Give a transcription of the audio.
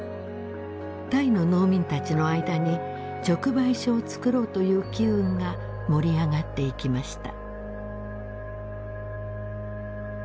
タイの農民たちの間に直売所を作ろうという機運が盛り上がっていきました。